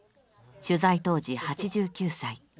取材当時８９歳。